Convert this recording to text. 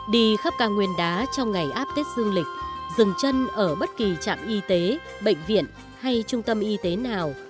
đi khắp cao nguyên đá trong ngày áp tết dương lịch dừng chân ở bất kỳ trạm y tế bệnh viện hay trung tâm y tế nào